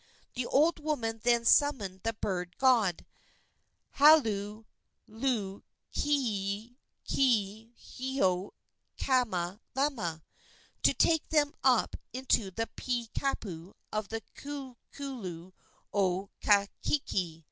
The old woman then summoned the bird god, Haluluikekihiokamalama, to take them up into the pea kapu of the Kukulu o Kahiki.